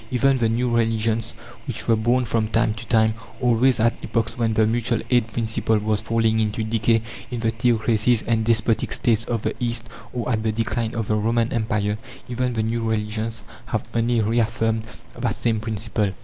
Even the new religions which were born from time to time always at epochs when the mutual aid principle was falling into decay in the theocracies and despotic States of the East, or at the decline of the Roman Empire even the new religions have only reaffirmed that same principle.